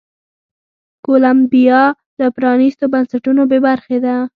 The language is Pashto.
کولمبیا له پرانیستو بنسټونو بې برخې ده.